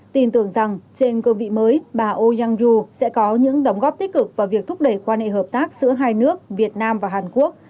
tin tưởng rằng trên cơ vị mới bà oh young joo sẽ có những đóng góp tích cực và việc thúc đẩy quan hệ hợp tác giữa hai nước việt nam và hàn quốc